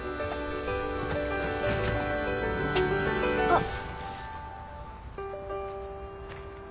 あっ。